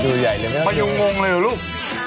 พ่อยูงงงเลยอ่ะลูก